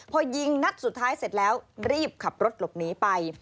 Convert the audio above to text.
พอยิงนัดสุดท้ายเสร็จแล้วรีบขับรถหลบหนีไป